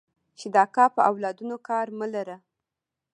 چې د اکا په اولادونو کار مه لره.